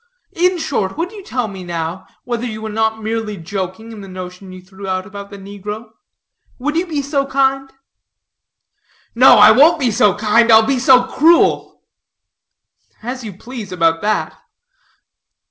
In short, would you tell me now, whether you were not merely joking in the notion you threw out about the negro. Would you be so kind?" "No, I won't be so kind, I'll be so cruel." "As you please about that."